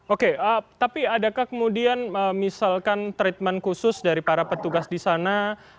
oke tapi adakah kemudian misalkan treatment khusus dari para petugas di sana